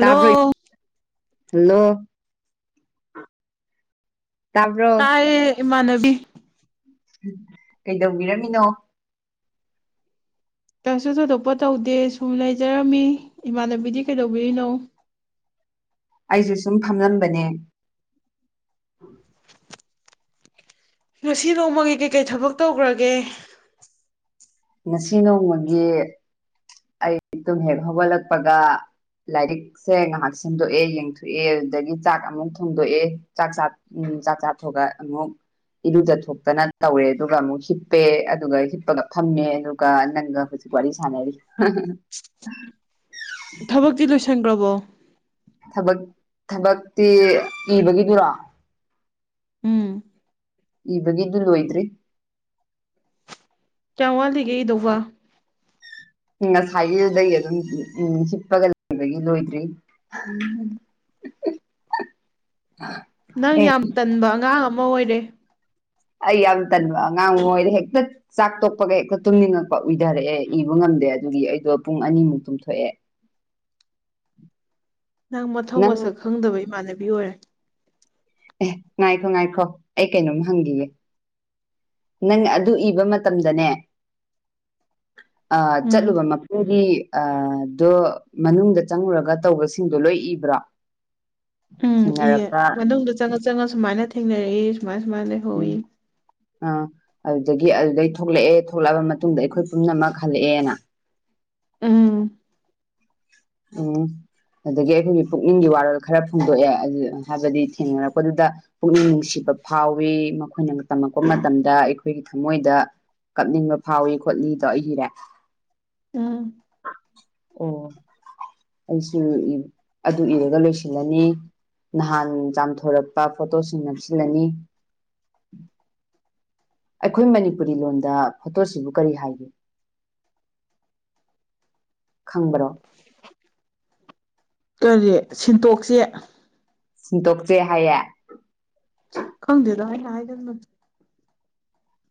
ꯇ ꯍꯜꯂꯣ ꯇꯥꯕ꯭ꯔꯣ ꯀꯥꯏ ꯏꯃꯅꯕꯤ ꯀꯩꯗꯧꯕꯤꯔꯝꯃꯤꯅꯣ ꯀꯩꯁꯨ ꯊꯣꯏꯗꯣꯛꯄ ꯇꯧꯗꯦ ꯁꯨꯝ ꯂꯩꯖꯔꯝꯃꯤ ꯏꯃꯥꯟꯅꯕꯤꯗꯤ ꯀꯩꯗꯧꯕꯤꯔꯤꯅꯣ ꯑꯩꯁꯨ ꯁꯨꯝ ꯐꯝꯂꯝꯕꯅꯦ ꯉꯁꯤ ꯅꯣꯡꯃꯒꯤ ꯀꯩꯀꯩ ꯊꯕꯛ ꯇꯧꯈ꯭ꯔꯒꯦ ꯉꯁꯤ ꯅꯣꯡꯃꯒꯤ ꯑꯩ ꯇꯨꯝ ꯍꯦꯛ ꯍꯧꯒꯠꯂꯛꯄꯒ ꯂꯥꯏꯔꯤꯛ ꯁꯦ ꯉꯥꯏꯍꯥꯛ ꯁꯦꯝꯗꯣꯛꯑꯦ ꯌꯦꯡꯊꯣꯛꯑꯦ ꯑꯗꯨꯗꯒꯤ ꯆꯥꯛ ꯑꯃꯨꯛ ꯊꯣꯡꯗꯣꯛꯑꯦ ꯆꯥꯛ ꯆꯥ ꯎꯝ ꯆꯥꯛ ꯆꯥ ꯊꯣꯛꯒ ꯑꯃꯨꯛ ꯏꯔꯨꯖꯊꯣꯛꯇꯅ ꯇꯧꯋꯦ ꯑꯗꯨꯒ ꯑꯃꯨꯛ ꯍꯤꯞꯄꯦ ꯑꯗꯨꯒ ꯍꯤꯞꯄꯒ ꯊꯝꯃꯦ ꯑꯗꯨꯒ ꯅꯪꯒ ꯍꯧꯖꯤꯛ ꯋꯥꯔꯤ ꯁꯥꯟꯅꯔꯤ ꯊꯕꯛꯇꯤ ꯂꯣꯏꯁꯤꯟꯈ꯭ꯔꯕꯣ ꯊꯕꯛ ꯊꯕꯛꯇꯤ ꯏꯕꯒꯤꯗꯨꯔꯣ ꯎꯝ ꯏꯕꯒꯤꯗꯨ ꯂꯣꯏꯗ꯭ꯔꯤ ꯀꯋꯥꯜꯂꯤꯒꯗꯧ ꯋꯥ ꯉꯁꯥꯏꯒꯤꯗꯒꯤ ꯑꯗꯨꯝ ꯎꯝ ꯍꯤꯞꯄꯒ ꯂꯩꯕꯒꯤ ꯂꯣꯏꯗ꯭ꯔꯤ ꯑꯥ ꯅꯪ ꯌꯥꯝ ꯇꯟꯕ ꯑꯉꯥꯡ ꯑꯃ ꯑꯣꯏꯔꯦ ꯑꯩ ꯌꯥꯝ ꯇꯟꯕ ꯑꯉꯥꯡꯉꯣꯏꯗ ꯍꯦꯛꯇ ꯆꯥꯛ ꯇꯣꯛꯄꯒ ꯍꯦꯛꯇ ꯇꯨꯝꯅꯤꯡꯉꯛꯄ ꯎꯏꯊꯔꯛꯑꯦ ꯏꯕ ꯉꯝꯗꯦ ꯑꯗꯨꯒꯤ ꯑꯩꯗꯣ ꯄꯨꯡ ꯑꯅꯤꯃꯨꯛ ꯇꯨꯝꯊꯣꯛꯑꯦ ꯅꯪ ꯃꯊꯧ ꯃꯁꯛ ꯈꯪꯗꯕ ꯏꯃꯥꯟꯅꯕꯤ ꯑꯣꯏꯔꯦ ꯑꯦ ꯉꯥꯏꯈꯣ ꯉꯥꯏꯈꯣ ꯑꯩ ꯀꯩꯅꯣꯝ ꯍꯪꯈꯤꯒꯦ ꯅꯪ ꯑꯗꯨ ꯏꯕ ꯃꯇꯝꯗꯅꯦ ꯑ ꯎꯝ ꯆꯠꯂꯨꯕ ꯃꯐꯝꯨꯗꯤ ꯑ ꯑꯗꯨꯣ ꯃꯅꯨꯡꯗ ꯆꯪꯉꯨꯔꯒ ꯇꯧꯕꯁꯤꯡꯗꯣ ꯂꯣꯏ ꯏꯕ꯭ꯔꯣ ꯎꯝ ꯏꯍ ꯊꯦꯡꯅꯔꯛꯄ ꯃꯅꯨꯡꯗ ꯆꯪꯉ ꯆꯪꯉ ꯁꯨꯃꯥꯏꯅ ꯊꯦꯡꯅꯔꯛꯏ ꯁꯨꯃꯥꯏ ꯁꯨꯃꯥꯏꯅ ꯂꯩ ꯎꯝ ꯑ ꯑꯗꯨꯗꯒꯤ ꯑꯗꯨꯗꯩ ꯊꯣꯛꯂꯛꯑꯦ ꯊꯣꯛꯂꯛꯑꯕ ꯃꯇꯨꯡꯗ ꯑꯩꯈꯣꯏ ꯄꯨꯝꯅꯃꯛ ꯍꯜꯂꯛꯑꯦꯅ ꯎꯝ ꯑꯣ ꯑꯗꯒꯤ ꯑꯩꯈꯣꯏꯒꯤ ꯄꯨꯛꯅꯤꯡꯒꯤ ꯋꯥꯔꯣꯜ ꯈꯔ ꯐꯣꯡꯗꯣꯛꯑꯦ ꯍꯥꯏꯕꯗꯤ ꯊꯦꯡꯅꯔꯛꯄꯗꯨꯗ ꯄꯨꯛꯅꯤꯡ ꯅꯨꯡꯁꯤꯕ ꯐꯥꯎꯏꯤ ꯃꯈꯣꯏꯅ ꯇꯝꯃꯛꯄ ꯃꯇꯝꯗ ꯑꯩꯈꯣꯏꯒꯤ ꯊꯃꯣꯏꯗ ꯀꯞꯅꯤꯡꯕ ꯐꯥꯎꯏ ꯈꯣꯠꯂꯤꯗꯣ ꯑꯩꯒꯤꯔꯦ ꯎꯝ ꯑꯣ ꯑꯩꯁꯨ ꯑꯗꯨ ꯏꯔꯒ ꯂꯣꯏꯁꯤꯜꯂꯅꯤ ꯅꯍꯥꯟ ꯆꯥꯝꯊꯣꯔꯛꯄ ꯐꯣꯇꯣꯁꯤꯡ ꯅꯞꯁꯤꯜꯂꯅꯤ ꯑꯩꯈꯣꯏ ꯃꯅꯤꯄꯨꯔꯤ ꯂꯣꯟꯗ ꯐꯣꯇꯣꯁꯤꯕꯨ ꯀꯔꯤ ꯍꯥꯏꯒꯦ ꯈꯪꯕ꯭ꯔꯣ ꯀꯔꯤ ꯁꯦꯟꯇꯣꯛꯁꯦ ꯁꯤꯟꯇꯣꯛꯆꯦ ꯍꯥꯏꯌꯦꯦ ꯈꯪꯗꯗ ꯍꯥꯏ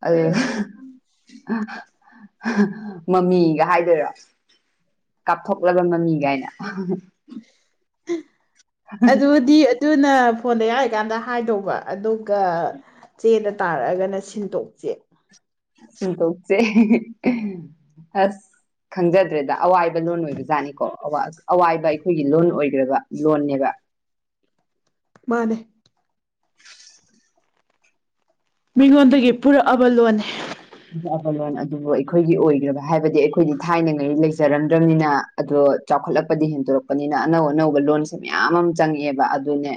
ꯑꯗꯨ ꯃꯃꯤꯒ ꯍꯥꯏꯗꯣꯏꯔꯣ ꯀꯥꯞꯊꯣꯛꯂꯕ ꯃꯃꯤ ꯀꯥꯏꯅ ꯑꯗꯨꯗꯤ ꯇꯨꯅ ꯐꯣꯟꯗ ꯌꯥꯔꯤꯀꯥꯟꯗ ꯍꯥꯏꯗꯧꯕ ꯑꯗꯨꯒ ꯆꯦꯗ ꯇꯥꯔꯛꯑꯒꯅ ꯁꯤꯟꯇꯣꯛꯁꯦ ꯇꯧꯁꯦ ꯑꯁ ꯈꯪꯖꯗ꯭ꯔꯦꯗ ꯑꯋꯥꯏꯕ ꯂꯣꯟ ꯑꯣꯏꯕꯖꯥꯠꯅꯤꯀꯣ ꯑꯋꯥꯏꯕ ꯑꯩꯈꯣꯏꯒꯤ ꯂꯣꯟ ꯑꯣꯏꯈ꯭ꯔꯕ ꯂꯣꯟꯅꯦꯕ ꯃꯥꯅꯦ ꯃꯤꯉꯣꯟꯗꯒꯤ ꯄꯨꯔꯛꯑꯕ ꯂꯣꯟꯅꯤ ꯈꯜꯂꯣꯟ ꯑꯗꯨꯕꯨ ꯑꯩꯈꯣꯏꯒꯤ ꯑꯣꯏꯈ꯭ꯔꯕ ꯍꯥꯏꯕꯗꯤ ꯑꯩꯈꯣꯏꯗꯤ ꯊꯥꯏꯅꯉꯩ ꯂꯩꯖꯔꯝꯗ꯭ꯔꯕꯅꯤꯅ ꯑꯗꯣ ꯆꯥꯎꯈꯠꯂꯛꯄꯗꯤ ꯍꯦꯟꯗꯣꯔꯛꯄꯅꯤꯅ ꯑꯅꯧ ꯑꯅꯧꯕ ꯂꯣꯟꯁꯦ ꯃꯌꯥꯝ ꯑꯃ ꯆꯪꯉꯛꯑꯦꯕ ꯑꯗꯨꯅꯦ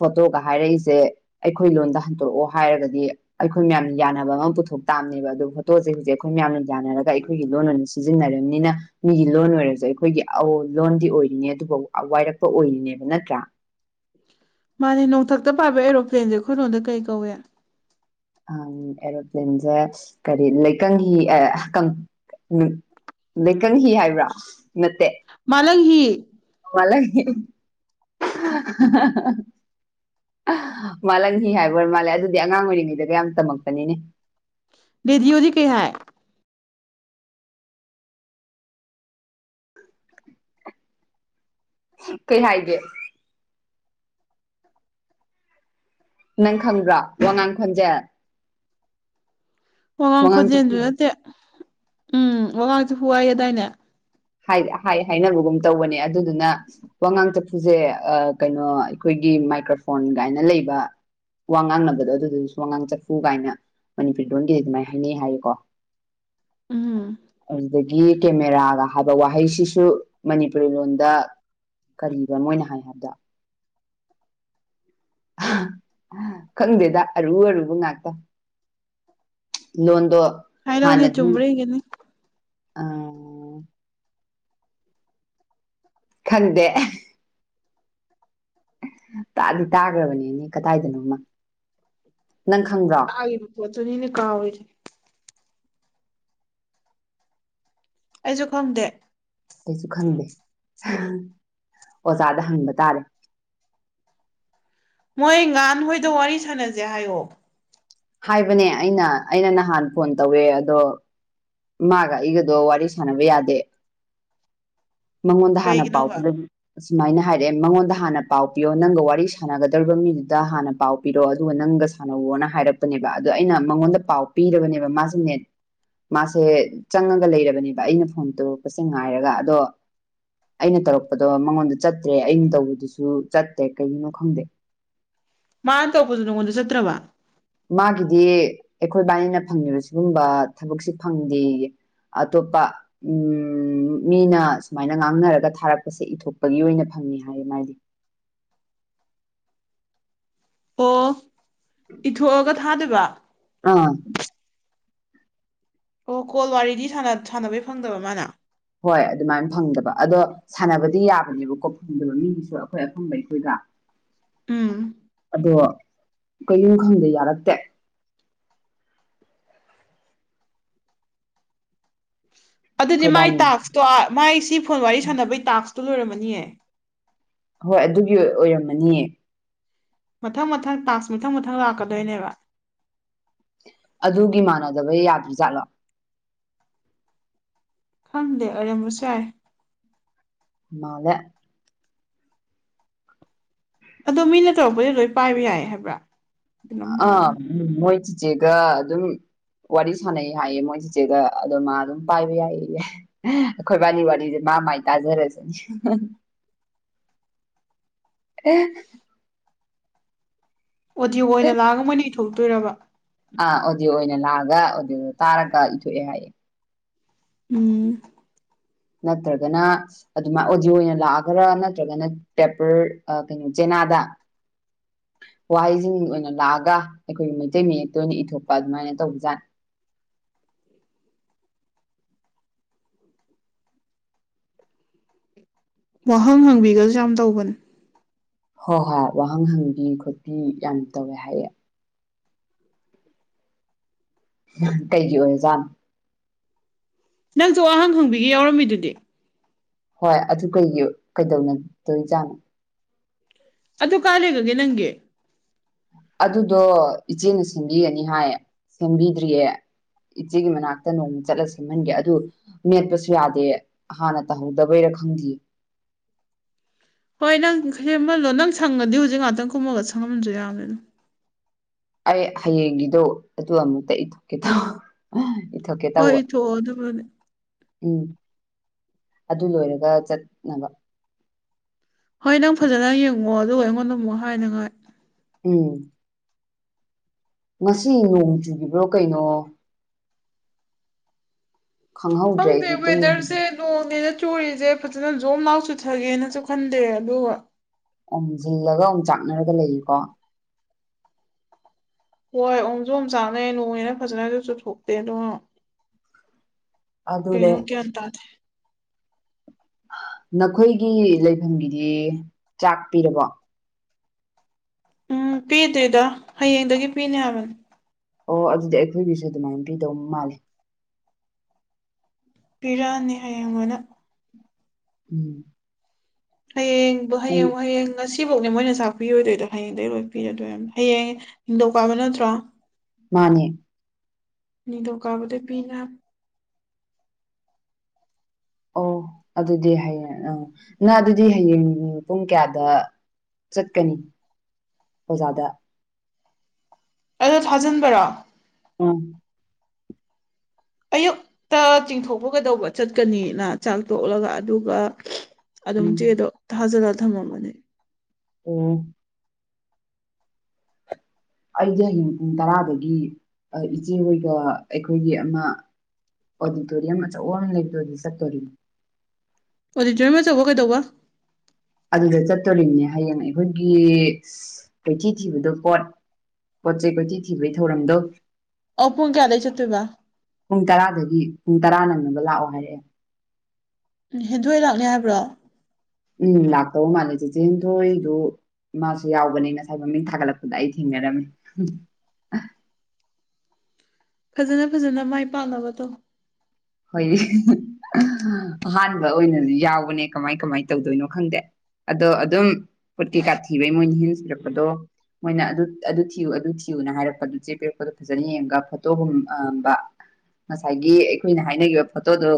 ꯐꯣꯇꯣꯒ ꯍꯥꯏꯔꯛꯏꯁꯦ ꯑꯩꯈꯣꯏ ꯂꯣꯟꯗ ꯍꯟꯇꯣꯔꯑꯣ ꯍꯥꯏꯔꯒꯗꯤ ꯑꯩꯈꯣꯏ ꯃꯌꯥꯝꯅ ꯌꯥꯅꯕ ꯑꯃ ꯄꯨꯊꯣꯛ ꯇꯥꯕꯃꯤ ꯑꯗꯨ ꯐꯣꯇꯣꯁꯦ ꯍꯧꯖꯤꯛ ꯑꯩꯈꯣꯏ ꯃꯌꯥꯝꯅ ꯌꯥꯅꯔꯒ ꯑꯩꯈꯣꯏꯒꯤ ꯂꯣꯟ ꯑꯣꯏꯅ ꯁꯤꯖꯤꯟꯅꯔꯕꯅꯤꯅ ꯃꯤꯒꯤ ꯂꯣꯟ ꯑꯣꯏꯔꯁꯨ ꯑꯩꯈꯣꯏꯒꯤ ꯑ ꯂꯣꯟꯗꯤ ꯑꯣꯏꯔꯤꯅꯦ ꯑꯗꯨꯕꯨ ꯋꯥꯏꯔꯛꯄ ꯑꯣꯏꯔꯤꯅꯦꯕ ꯅꯠꯇ꯭ꯔꯥ ꯃꯥꯅꯦ ꯅꯣꯡꯊꯛꯇ ꯄꯥꯕ ꯑꯦꯔꯣꯄ꯭ꯂꯦꯟꯁꯦ ꯑꯩꯈꯣꯏꯔꯣꯟꯗ ꯀꯩ ꯀꯧꯋꯦ ꯑ ꯑꯦꯔꯣꯄ꯭ꯂꯦꯟꯁꯦ ꯀꯔꯤ ꯂꯩꯀꯪꯒꯤ ꯑꯗꯩꯀꯪ ꯍꯤ ꯍꯥꯏꯕ꯭ꯔꯥ ꯅꯠꯇꯦ ꯃꯥꯂꯪ ꯍꯤ ꯃꯂ ꯍ ꯃꯥꯜꯂꯟ ꯍꯤ ꯍꯥꯏꯕ ꯃꯥꯜꯂꯦ ꯑꯗꯨꯗꯤ ꯑꯉꯥꯡ ꯑꯣꯏꯔꯤꯉꯩꯗꯒ ꯌꯥꯝ ꯇꯝꯂꯄꯅꯤꯅꯦ ꯂꯩꯗꯤꯌꯗꯤ ꯀꯌꯥ ꯍꯥꯏ ꯀꯩ ꯍꯥꯏꯒꯦ ꯅꯪ ꯈꯪꯕ꯭ꯔꯣ ꯋꯥꯉꯥꯡꯈꯣꯟꯁꯦ ꯋꯥꯉꯥꯡ ꯈꯣꯟꯖꯦꯜꯁꯨ ꯅꯠꯇꯦ ꯎꯝ ꯋꯥꯉꯥꯡꯁꯨꯦ ꯍꯨꯋꯥꯏꯑꯗꯥꯏꯅꯦ ꯍꯥꯏ ꯍꯥꯏꯅꯕꯒꯨꯝ ꯇꯧꯕꯅꯦ ꯑꯗꯨꯗꯨꯅ ꯋꯥꯉꯥꯡ ꯆꯛꯐꯨꯁꯦ ꯀꯩꯅꯣ ꯑꯩꯈꯣꯏꯒꯤ ꯃꯥꯏꯀ꯭ꯔꯣꯐꯣꯟ ꯀꯥꯏꯅ ꯂꯩꯕ ꯋꯥ ꯉꯥꯡꯅꯕꯗꯣ ꯑꯗꯨꯗꯨꯁꯨ ꯋꯥꯉꯥꯡ ꯆꯠꯐꯨ ꯀꯥꯏꯅ ꯃꯅꯤꯄꯨꯔꯤ ꯂꯣꯟꯒꯤꯗꯤ ꯑꯗꯨꯃꯥꯏꯅ ꯍꯥꯏꯅꯩ ꯍꯥꯏꯀꯣ ꯎꯝ ꯑꯗꯨꯗꯒꯤ ꯀꯦꯃꯦꯔꯥꯒ ꯍꯥꯏꯕ ꯋꯥꯍꯩꯁꯤꯁꯨ ꯃꯅꯤꯄꯨꯔꯤ ꯂꯣꯟꯗ ꯀꯔꯤꯕ ꯃꯣꯏꯅ ꯍꯥꯏ ꯍꯥꯏꯕꯗ ꯈꯪꯗꯦꯗ ꯑꯔꯨ ꯑꯔꯨꯕ ꯉꯥꯛꯇ ꯂꯣꯟꯗ ꯍꯥꯏꯥꯏꯅꯧꯅꯦ ꯇ ꯆꯨꯝ꯭ꯔꯦ ꯍꯒꯦꯅꯤ ꯑ ꯈꯟꯗꯦ ꯇꯥꯗꯤ ꯇꯥꯈ꯭ꯔꯕꯅꯦꯅꯦ ꯀꯗꯥꯏꯗꯅꯣꯃ ꯅꯪ ꯈꯪꯕ꯭ꯔꯣ ꯨꯄꯣꯣ ꯅ ꯏꯅꯦ ꯀꯥ ꯑꯣꯏꯦ ꯑꯩꯁꯨ ꯈꯪꯗꯦ ꯑꯩꯁꯨ ꯈꯪꯗꯦ ꯑꯣꯖꯥꯗ ꯍꯪꯕ ꯇꯥꯔꯦ ꯃꯣꯏ ꯉꯍꯥꯟ ꯍꯣꯏꯗ ꯋꯥꯔꯤ ꯁꯥꯟꯅꯁꯦ ꯍꯥꯏꯌꯣ ꯍꯥꯏꯕꯅꯦ ꯑꯩꯅ ꯑꯩꯅ ꯅꯍꯥꯟ ꯐꯣꯟ ꯇꯧꯋꯦ ꯑꯗꯣ ꯃꯥꯒ ꯑꯩꯒꯗꯣ ꯋꯥꯔꯤ ꯁꯥꯟꯅꯕ ꯌꯥꯗꯦ ꯃꯉꯣꯟꯗ ꯍꯥꯟꯅ ꯄꯥꯎꯕꯤ ꯀꯩꯒꯤꯅꯣꯕ ꯑꯁꯨꯃꯥꯏꯅ ꯍꯥꯏꯔꯛꯑꯦ ꯃꯉꯣꯟꯗ ꯍꯥꯟꯅ ꯄꯥꯎ ꯄꯤꯌꯣ ꯅꯪꯒ ꯋꯥꯔꯤ ꯁꯥꯟꯅꯒꯗꯧꯔꯤꯕ ꯃꯤꯗꯨꯗ ꯍꯥꯟꯅ ꯄꯥꯎ ꯄꯤꯔꯛꯑꯣ ꯑꯗꯨꯒ ꯅꯪꯒ ꯁꯥꯟꯅꯋꯣꯅ ꯍꯥꯏꯔꯛꯄꯅꯦꯕ ꯑꯗꯣ ꯑꯩꯅ ꯃꯉꯣꯟꯗ ꯄꯥꯎ ꯄꯤꯕꯅꯦꯕ ꯃꯥꯁꯦ ꯅꯠ ꯃꯥꯁꯦ ꯆꯪꯉꯒ ꯂꯩꯔꯕꯅꯦꯕ ꯑꯩꯅ ꯐꯣꯟ ꯇꯧꯔꯛꯄꯁꯦ ꯉꯥꯏꯔꯒ ꯑꯗꯣ ꯑꯩꯅ ꯇꯧꯔꯛꯄꯗꯣ ꯃꯉꯣꯟꯗ ꯆꯠꯇ꯭ꯔꯦ ꯑꯩꯅ ꯇꯧꯕꯗꯨꯁꯨ ꯆꯠꯇꯦ ꯀꯩꯒꯤꯅꯣ ꯈꯪꯗꯦ ꯃꯥꯅ ꯇꯧꯕꯗꯨ ꯅꯪꯉꯣꯟꯗ ꯆꯠꯇ꯭ꯔꯕ ꯃꯥꯒꯤꯗꯤ ꯑꯩꯈꯣꯏ ꯕꯥꯏꯅꯤꯅ ꯐꯪꯉꯤꯕ ꯁꯤꯒꯨꯝꯕ ꯊꯕꯛꯁꯤ ꯐꯪꯗꯦ ꯑꯇꯣꯞꯄ ꯎ ꯃꯤꯅ ꯁꯨꯃꯥꯏꯅ ꯉꯥꯡꯅꯔꯒ ꯊꯥꯔꯛꯄꯁꯦ ꯏꯊꯣꯛꯄꯒꯤ ꯑꯣꯏꯅ ꯐꯪꯉꯦ ꯍꯥꯏꯌꯦ ꯃꯥꯗꯤ ꯑꯣ ꯏꯊꯣꯛꯑꯒ ꯊꯥꯗꯣꯏꯕ ꯑꯥ ꯑꯣ ꯀꯣꯜ ꯋꯥꯔꯤꯗꯤ ꯁꯥꯟꯅꯕꯩ ꯐꯪꯗꯕ ꯃꯥꯅ ꯍꯣꯏ ꯑꯗꯨꯃꯥꯏꯅ ꯐꯪꯗꯕ ꯑꯗꯣ ꯁꯥꯟꯅꯕꯗꯤ ꯌꯥꯕꯅꯦꯕꯀꯣ ꯐꯪꯗꯕ ꯃꯤꯒꯤꯁꯨ ꯑꯩꯈꯣꯏ ꯑꯐꯨꯝꯕ ꯑꯩꯈꯣꯏꯒ ꯎꯝ ꯑꯗꯣ ꯀꯩꯌꯨꯝ ꯈꯪꯗ ꯌꯥꯔꯛꯇꯦ ꯑꯗꯨꯗꯤ ꯃꯥꯏ ꯑꯩꯈꯣꯏꯕꯥꯅꯤꯅ ꯇꯥꯛꯁꯇꯣ ꯃꯥꯏ ꯁꯤ ꯐꯣꯟ ꯋꯥꯔꯤ ꯁꯥꯟꯅꯕꯒꯤ ꯇꯥꯛꯁꯇꯣ ꯂꯣꯏꯔꯝꯃꯅꯤꯌꯦ ꯍꯣꯏ ꯑꯗꯨꯒꯤ ꯑꯣꯏꯔꯝꯃꯅꯤꯌꯦ ꯃꯊꯪ ꯃꯊꯪ ꯇꯥꯛꯁ ꯃꯊꯪ ꯃꯊꯪ ꯂꯥꯛꯀꯗꯣꯏꯅꯦꯕ ꯑꯗꯨꯒꯤ ꯃꯥꯟꯅꯗꯕ ꯌꯥꯗ꯭ꯔꯖꯥꯠꯂꯣ ꯈꯪꯗꯦ ꯑꯣꯏꯔꯝꯕꯁꯨ ꯌꯥꯏ ꯃꯥꯂ ꯑꯗꯣ ꯃꯤꯅ ꯇꯧꯔꯛꯄꯗꯤ ꯂꯣꯏ ꯄꯥꯏꯕ ꯌꯥꯏ ꯍꯥꯏꯕ꯭ꯔꯥ ꯀꯩꯅꯣꯝ ꯑꯝ ꯍꯥꯏꯕꯅꯤ ꯃꯣꯏ ꯆꯤꯆꯦꯒ ꯑꯗꯨꯝ ꯋꯥꯔꯤ ꯁꯥꯟꯅꯩ ꯍꯥꯏꯌꯦ ꯃꯣꯏ ꯆꯤꯆꯦꯗ ꯑꯗ ꯃꯥ ꯑꯗꯨꯝ ꯄꯥꯏꯕ ꯌꯥꯏꯌꯦ ꯑꯩꯈꯣꯏ ꯋꯥꯔꯤꯕꯥꯂꯤ ꯋꯥꯔꯤꯂꯤꯁꯦ ꯃꯥ ꯃꯥꯏ ꯇꯥꯖꯔꯁꯤꯅꯤ [inaudible] ꯑꯦ ꯑꯣꯗꯤꯌꯣ ꯑꯣꯏꯅ ꯂꯥꯡꯑꯒ ꯃꯣꯏ ꯑꯣꯏꯅ ꯏꯊꯣꯛꯇꯣꯏꯔꯕ ꯑꯥ ꯑꯣꯗꯤꯌꯑꯣ ꯑꯣꯏꯅ ꯂꯥꯛꯑꯒ ꯑꯣꯗꯤꯌꯑꯣꯗꯣ ꯇꯥꯔꯒ ꯏꯊꯣꯛꯑꯦ ꯍꯥꯏꯌꯦ ꯎꯝ ꯅꯠꯇ꯭ꯔꯒꯅ ꯑꯗꯨꯃꯥꯏꯅ ꯑꯣꯗꯤꯌꯣ ꯑꯣꯏꯅ ꯂꯥꯛꯑꯒꯔꯥ ꯅꯠꯇ꯭ꯔꯒꯅ ꯄꯦꯄꯔ ꯀꯩꯅꯣ ꯆꯦꯅꯥꯗ ꯋꯥꯍꯩꯁꯤꯡ ꯑꯣꯏꯅ ꯂꯥꯛꯑꯒ ꯑꯩꯈꯣꯏꯒꯤ ꯃꯩꯇꯩ ꯃꯌꯦꯛꯇ ꯑꯣꯏꯅ ꯏꯊꯣꯛꯄ ꯑꯗꯨꯃꯥꯏꯅ ꯇꯧꯕꯖꯥꯠ ꯋꯥꯍꯪ ꯍꯪꯕꯤꯒꯁꯨ ꯌꯥꯝ ꯇꯧꯕꯅꯦ ꯍꯣꯏ ꯍꯣꯏ ꯋꯥꯍꯪ ꯍꯪꯕꯤ ꯈꯣꯠꯄꯤ ꯌꯥꯝ ꯇꯧꯋꯦ ꯍꯥꯏꯌꯦ ꯀꯩꯒꯤ ꯑꯣꯏꯖꯥꯠꯅꯣ ꯅꯪꯁꯨ ꯋꯥꯍꯪ ꯍꯪꯕꯤꯒꯦ ꯌꯥꯎꯔꯝꯃꯤꯗꯨꯗꯤ ꯍꯣꯏ ꯑꯗꯨ ꯀꯩ ꯀꯩꯗꯧꯅꯗꯣꯏꯖꯥꯠꯅꯣ ꯑꯗꯨ ꯀꯥꯏ ꯂꯩꯒꯒꯦ ꯅꯪꯒꯤ ꯑꯗꯨꯗꯣ ꯏꯆꯦꯅ ꯁꯦꯝꯕꯤꯒꯅꯤ ꯍꯥꯏ ꯁꯦꯝꯕꯤꯗ꯭ꯔꯤꯌꯦ ꯏꯆꯦꯒꯤ ꯃꯅꯥꯛꯇ ꯅꯣꯡꯃ ꯆꯠꯂ ꯁꯦꯝꯃꯟꯒꯦ ꯑꯗꯨ ꯃꯦꯠꯄꯁꯨ ꯌꯥꯗꯦ ꯍꯥꯟꯅ ꯇꯥꯍꯧꯗꯕꯩꯔ ꯈꯪꯗꯌꯦ ꯍꯣꯏ ꯅꯪ ꯁꯦꯝꯃꯜꯂꯣ ꯅꯪ ꯁꯪꯉꯗꯤ ꯍꯧꯖꯤꯛ ꯉꯥꯛꯇꯪ ꯀꯨꯝꯃꯒ ꯁꯪꯉꯝꯁꯨ ꯌꯥꯕꯅꯤꯅ ꯑꯩ ꯍꯌꯦꯡꯒꯤꯗꯣ ꯑꯗꯨ ꯑꯃꯨꯛꯇ ꯏꯊꯣꯛꯀꯦ ꯇ ꯏꯊꯣꯛꯀꯦ ꯍꯣꯏ ꯇꯧꯕ ꯏꯊꯣꯛꯑꯣ ꯑꯗꯨꯕꯨꯗꯤ ꯎꯝ ꯑꯗꯨ ꯂꯣꯏꯔꯒ ꯆꯠꯅꯕ ꯍꯣꯏ ꯅꯪ ꯐꯖꯅ ꯌꯦꯡꯉꯑꯣ ꯑꯗꯨꯒ ꯑꯩꯉꯣꯟꯗ ꯑꯃꯨꯛ ꯍꯥꯏꯅꯉꯥꯏ ꯎꯝ ꯉꯁꯤ ꯅꯣꯡ ꯆꯨꯕ꯭ꯔꯣ ꯀꯩꯅꯣ ꯈꯪꯍꯧꯗ꯭ꯔꯦ ꯈꯪꯗꯦ ꯑꯩꯗꯤ ꯇ ꯋꯦꯗꯔꯁꯦ ꯅꯣꯡꯅꯦꯅ ꯆꯨꯔꯤꯁꯦ ꯐꯖꯅ ꯖꯣꯝ ꯂꯅꯥꯥꯛ ꯆꯨꯊꯒꯦꯅꯁꯨ ꯈꯟꯗꯦ ꯑꯗꯨꯒ ꯑꯃꯨꯛ ꯁꯤꯜꯂꯒ ꯑꯃꯨꯛ ꯆꯥꯛꯅꯔꯒ ꯂꯩꯌꯦꯀꯣ ꯍꯣꯏ ꯑꯣꯝꯁꯨ ꯑꯝ ꯆꯅꯩ ꯅꯣꯡꯉꯦꯅ ꯐꯖꯅꯁꯨ ꯆꯨꯊꯣꯛꯇꯦ ꯑꯗꯨ ꯑꯗꯨꯅꯦ ꯀꯩꯅꯣ ꯀꯌꯥ ꯑꯟꯇꯥꯔꯗꯦ ꯅꯈꯣꯏꯒꯤ ꯂꯩꯐꯝꯒꯤꯗꯤ ꯆꯥꯛ ꯄꯤꯔꯕꯣ ꯎꯝ ꯄꯤꯗꯣꯏꯗ ꯍꯌꯦꯡꯗꯒꯤ ꯄꯤꯅꯦ ꯍꯥꯏꯕꯅꯤ ꯑꯣ ꯑꯗꯨꯗꯤ ꯑꯩꯈꯣꯏꯒꯤꯁꯨ ꯑꯗꯨꯃꯥꯏꯅ ꯄꯤꯗꯧ ꯃꯥꯜꯂꯤꯦ ꯄꯤꯔꯛꯑꯅꯤ ꯑꯩꯌꯦꯡꯉꯣꯟꯗ ꯎꯝ ꯍꯌꯦꯡ ꯎꯝ ꯍꯌꯦꯡ ꯋꯥ ꯍꯌꯦꯡ ꯉꯁꯤꯐꯧꯅꯦ ꯃꯣꯏꯅ ꯆꯥꯛ ꯄꯤꯔꯣꯏꯗꯣꯏꯗꯣ ꯍꯌꯦꯡꯗꯒꯤꯩ ꯂꯣꯏ ꯄꯤꯔꯗꯣꯏꯔꯕ ꯍꯌꯦꯡ ꯍꯤꯡꯗꯧꯀꯥꯕ ꯅꯠꯇ꯭ꯔꯣ ꯃꯥꯅꯦ ꯗꯨꯛꯅꯗ ꯄꯤꯅ ꯑꯣ ꯑꯗꯨꯗꯤ ꯍꯌꯦꯡ ꯑꯥ ꯅꯪ ꯑꯗꯨꯗꯤ ꯍꯌꯦꯡ ꯄꯨꯡ ꯀꯌꯥꯗ ꯆꯠꯀꯅꯤ ꯑꯣꯖꯥꯗ ꯑꯗꯣ ꯊꯥꯖꯤꯟꯕꯔꯣ ꯑ ꯑꯌꯨꯛꯇ ꯆꯤꯡꯊꯣꯛꯄꯒꯗꯧꯕ ꯆꯠꯀꯅꯤꯅ ꯆꯥꯛ ꯇꯣꯛꯂꯒ ꯑꯗꯨꯒ ꯑꯗꯨꯝ ꯎꯝ ꯆꯦꯗꯣ ꯊꯥꯖꯜꯂꯒ ꯊꯝꯃꯃꯅꯦ꯫ ꯑꯣꯝ ꯑꯩꯗꯤ ꯍꯌꯦꯡ ꯄꯨꯡ ꯇꯔꯥꯗꯒꯤ ꯏꯆꯦ ꯍꯣꯏꯒ ꯑꯩꯈꯣꯏꯒꯤ ꯑꯃ ꯑꯣꯗꯤꯇꯣꯔꯤꯌꯝ ꯑꯆꯧ ꯑ ꯑꯃ ꯂꯩꯕꯗꯣꯗꯤ ꯆꯠꯇꯣꯔꯤꯅꯤ꯫ ꯑꯣꯗꯤꯇꯔꯤꯌꯝ ꯃꯆꯧꯕ ꯀꯩꯗꯧꯕ ꯑꯗꯨꯗ ꯆꯠꯇꯣꯔꯤꯕꯝꯅꯦ ꯍꯌꯦꯡ ꯑꯩꯈꯣꯏꯒꯤ ꯀꯩꯊꯤ ꯊꯤꯕꯗꯣ ꯄꯣꯠ ꯄꯣꯠ ꯆꯩ ꯄꯣꯠꯆ ꯊꯤꯕꯒꯤ ꯊꯧꯔꯝꯗꯣ ꯑꯣ ꯄꯨꯡ ꯀꯌꯥꯗꯒꯤ ꯇꯣꯏꯕꯥ ꯄꯨꯡ ꯇꯔꯥꯗꯒꯤ ꯄꯨꯡ ꯇꯔꯥ ꯅꯪꯅꯕ ꯂꯥꯛꯑꯣ ꯍꯥꯏꯔꯛꯑꯦ꯫ ꯍꯦꯟꯗꯣꯏ ꯂꯥꯛꯅꯤ ꯍꯥꯏꯕ꯭ꯔꯣ ꯎꯝ ꯂꯥꯛꯇꯧ ꯃꯥꯥꯟꯂ ꯆꯦꯆꯦ ꯍꯦꯟꯊꯣꯏꯗꯨ ꯏꯃꯥꯁꯨ ꯌꯥꯎꯕꯅꯤ ꯉꯁꯥꯏ ꯃꯃꯤꯡ ꯊꯥꯒꯠꯂꯛꯄꯗ ꯑꯩ ꯊꯦꯡꯅꯔꯝꯃꯤ꯫ ꯐꯖꯅ ꯐꯖꯅ ꯃꯥꯏ ꯄꯥꯛꯅꯕ ꯇꯥꯎ ꯫ ꯍꯣꯏ ꯑꯝꯟꯕ ꯑꯣꯏꯅꯁꯨ ꯌꯥꯎꯕꯅꯦ ꯀꯃꯥꯏ ꯀꯃꯥꯏ ꯇꯧꯗꯣꯏꯅꯣ ꯈꯪꯗꯦ꯫ ꯑꯗꯣ ꯑꯗꯨꯝ ꯄꯣꯠ ꯀꯩꯀꯥ ꯊꯤꯕꯩ ꯃꯣꯏ ꯍꯦꯟ ꯁꯤꯨꯔꯛꯄꯗꯣ ꯃꯣꯏꯅ ꯑꯗꯨ ꯑꯗꯨ ꯊꯤꯌꯨ ꯑꯗꯨ ꯊꯤꯌꯨꯅ ꯍꯥꯏꯔꯛꯄ ꯑꯗꯨ ꯆꯦ ꯄꯤꯔꯛꯄꯗꯨ ꯐꯖꯅ ꯌꯦꯡꯉꯒ ꯐꯣꯇꯣꯒꯨꯝꯝꯕ꯫ ꯉꯁꯥꯏꯒꯤ ꯑꯩꯈꯣꯏꯅ ꯍꯥꯏꯅꯈꯤꯕ ꯐꯣꯇꯣꯗꯣ꯫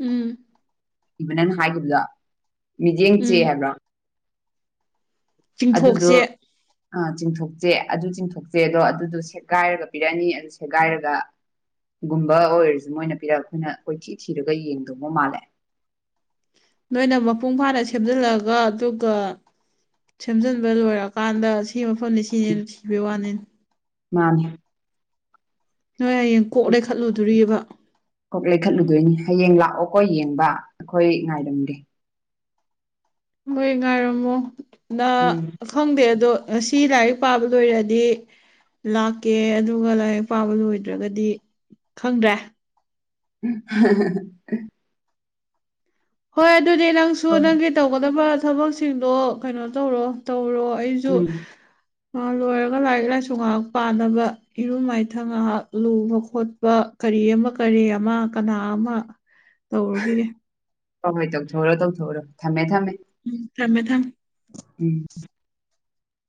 ꯎꯝ ꯅꯪ ꯅ ꯍꯥꯏꯈꯤꯕꯗ ꯃꯤꯠꯌꯦꯡ ꯆꯦ ꯎꯝ ꯍꯥꯏꯕ꯭ꯔꯥ ꯑꯗꯨꯗꯨ ꯆꯤꯡꯊꯣꯛꯁꯦ ꯑ ꯆꯤꯡꯊꯣꯛꯆꯦ ꯑꯗꯨ ꯆꯤꯡꯊꯣꯛꯆꯦ ꯑꯗꯣ ꯑꯗꯨꯗꯣ ꯁꯦꯠꯒꯥꯏꯔꯒ ꯄꯤꯔꯛꯑꯅꯤ ꯑꯗꯨ ꯁꯦꯠꯒꯥꯏꯔꯒ ꯒꯨꯝꯕ ꯑꯣꯏꯔꯁꯨ ꯃꯣꯏꯅ ꯄꯤꯔꯛ ꯑꯩꯈꯣꯏꯅ ꯀꯣꯏꯊꯤ ꯊꯤꯔꯒ ꯌꯦꯡꯗꯧꯕ ꯃꯥꯜꯂꯦ꯫ ꯅꯣꯏꯅ ꯃꯄꯨꯡ ꯐꯥꯅ ꯁꯦꯝꯖꯤꯜꯂꯒ ꯑꯗꯨꯒ꯫ ꯁꯦꯝꯖꯤꯟꯕ ꯂꯣꯏꯔꯀꯥꯟꯗ ꯁꯤ ꯃꯐꯝꯅꯤ ꯁꯤꯅꯦ ꯁꯤꯕ ꯋꯥꯅꯤ꯫ ꯃꯥꯅꯤ꯫ ꯅꯣꯏ ꯍꯌꯦꯡ ꯀꯣꯛꯂꯦ ꯈꯠꯂꯨꯗꯣꯔꯤꯑꯕ꫰꫰ ꯀꯣꯛ ꯂꯩꯈꯠꯂꯨꯗꯣꯏꯅꯤ ꯍꯌꯦꯡ ꯂꯥꯛꯑꯣꯀꯣ ꯌꯦꯡꯕ ꯑꯩꯈꯣꯏ ꯉꯥꯏꯔꯝꯒꯦ꯫ ꯍꯣꯏ ꯉꯥꯏꯔꯝꯃꯣ ꯂ ꯎꯝ ꯈꯪꯗꯦ ꯑꯗꯣ ꯉꯁꯤ ꯂꯥꯏꯔꯤꯛ ꯄꯥꯕ ꯂꯣꯏꯔꯗꯤ꯫ ꯂꯥꯛꯀꯦ ꯑꯗꯨꯒ ꯂꯥꯏꯔꯤꯛ ꯄꯥꯕ ꯂꯣꯏꯗ꯭ꯔꯒꯗꯤ ꯈꯪꯗ꯭ꯔꯦ꯫ [unintelligible] ꯍꯣꯏ ꯑꯗꯨꯗꯤ ꯅꯪꯁꯨ ꯍꯣꯏ ꯅꯪꯒꯤ ꯇꯧꯒꯗꯕ ꯊꯕꯛꯁꯤꯡꯗꯣ ꯀꯩꯅꯣ ꯇꯧꯔꯣ ꯇꯧꯔꯣ꯫ ꯑꯩꯁꯨ ꯎꯝ ꯂꯣꯏꯔꯒ ꯂꯥꯏꯔꯤꯛ ꯂꯥꯏꯁꯨ ꯉꯥꯏꯍꯥꯛ ꯄꯥꯅꯕ ꯏꯔꯨ ꯃꯥꯏꯊꯪ ꯉꯥꯏꯍꯥꯛ ꯂꯨꯕ ꯈꯣꯠꯄ ꯀꯔꯤ ꯑꯃ ꯀꯔꯤ ꯑꯃ ꯀꯅꯥ ꯑꯃ ꯇꯧꯔꯨꯈꯤꯒꯦ꯫ ꯍ ꯍꯣꯏ ꯇꯧꯊꯣꯛꯎꯔꯣ ꯇꯧꯊꯣꯛꯎꯔꯣ ꯊꯝꯃꯦ ꯊꯝꯃꯦ꯫ ꯊꯝꯃꯦ ꯊꯝ ꯎꯝ